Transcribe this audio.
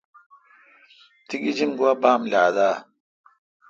تی گیجین گوا بام لا دہ۔